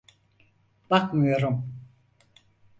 Bakmıyorum.